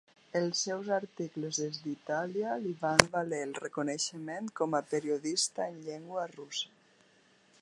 Els seus articles des d'Itàlia li van valer el reconeixement com a periodista en llengua russa.